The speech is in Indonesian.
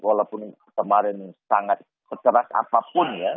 walaupun kemarin sangat sekeras apapun ya